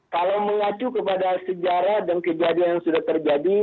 kalau mengacu kepada sejarah dan kejadian yang sudah terjadi